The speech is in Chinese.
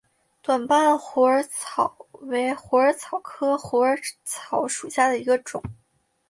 短瓣虎耳草为虎耳草科虎耳草属下的一个种。